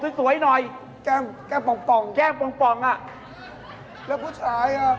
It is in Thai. สวยสวยหน่อยแก้มแก้มป้องแก้มป๋องอ่ะเหลือผู้ชายอ่ะ